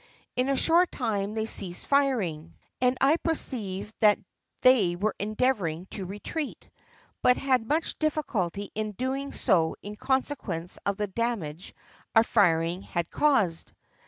In a short time they ceased firing, and I perceived that they were endeavouring to retreat, but had much difficulty in doing so in consequence of the damage our firing had caused.